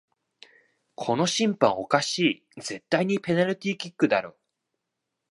この審判おかしい、絶対にペナルティーキックだろ